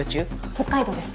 北海道です